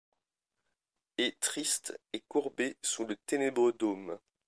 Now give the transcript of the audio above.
Et, tristes, et courbés sous le ténébreux dôme